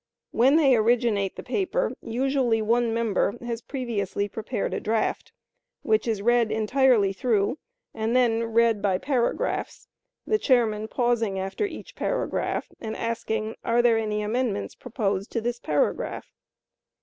When they originate the paper, usually one member has previously prepared a draft, which is read entirely through, and then read by paragraphs, the chairman pausing after each paragraph and asking, "Are there any amendments proposed to this paragraph?"